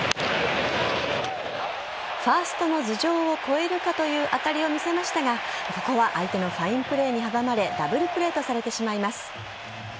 ファーストの頭上を越えるかという当たりを見せましたがここは相手のファインプレーに阻まれダブルプレーとされてしまいます。